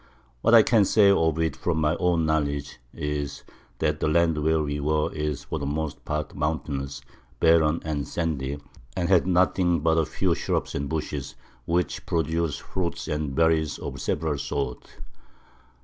What I can say of it from my own Knowledge is, That the Land where we were is for the most part mountainous, barren and sandy, and had nothing but a few Shrubs and Bushes, which produce Fruit and Berries of several Sorts.